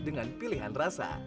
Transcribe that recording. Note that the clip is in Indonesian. dengan pilihan rasa